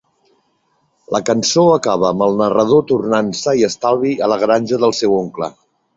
La cançó acaba amb el narrador tornant sa i estalvi a la granja del seu oncle.